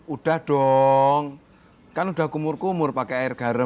udah dong kan udah kumur kumur pakai air garam